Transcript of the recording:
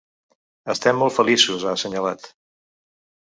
Estem molt feliços, ha assenyalat.